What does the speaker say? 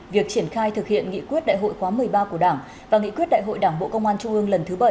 việc triển khai thực hiện nghị quyết đại hội khóa một mươi ba của đảng và nghị quyết đại hội đảng bộ công an trung ương lần thứ bảy